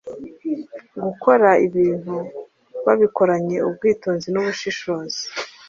gukora ibintu babikoranye ubwitonzi n’ubushishozi.